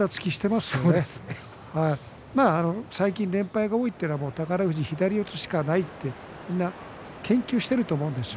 まあ最近、連敗が多いというのは宝富士は左四つしかないみんな研究していると思うんです。